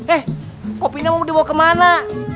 eh kopinya mau dibawa kemana